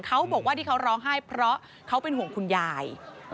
เขาบอกว่าที่เขาร้องไห้เพราะเขาเป็นห่วงคุณยาย